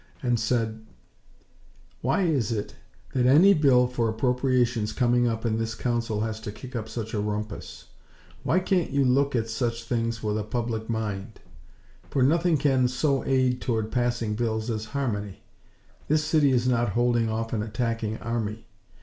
_ And said: "Why is it that any bill for appropriations coming up in this Council has to kick up such a rumpus? Why can't you look at such things with a public mind; for nothing can so aid toward passing bills as harmony. This city is not holding off an attacking army.